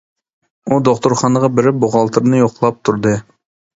ئۇ دوختۇرخانىغا بېرىپ بوغالتىرىنى يوقلاپ تۇردى.